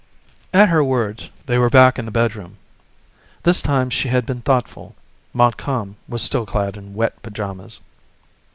At her words, they were back in the bedroom. This time she had been thoughtful. Montcalm was still clad in wet pajamas.